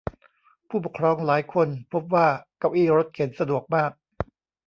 ผู้ปกครองหลายคนพบว่าเก้าอี้รถเข็นสะดวกมาก